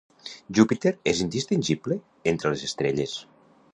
Júpiter és indistingible entre les estrelles.